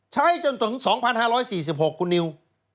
จนถึง๒๕๔๖คุณนิว